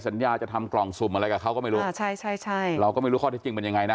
สัญญาจะทำกล่องสุ่มอะไรกับเขาก็ไม่รู้อ่าใช่ใช่เราก็ไม่รู้ข้อเท็จจริงเป็นยังไงนะ